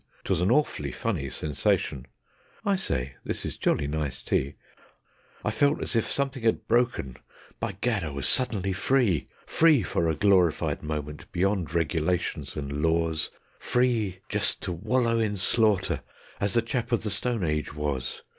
'Twas an awf'ly funny sensation (I say, this is jolly nice tea); I felt as if something had broken; by gad! I was suddenly free. Free for a glorified moment, beyond regulations and laws, Free just to wallow in slaughter, as the chap of the Stone Age was.